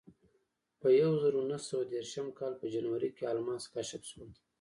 په یوه زرو نهه سوه دېرشم کال په جنورۍ کې الماس کشف شول.